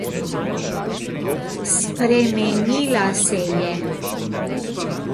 Spremenila se je.